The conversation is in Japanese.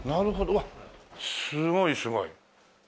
うわっすごいすごい。